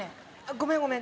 ごめんごめん。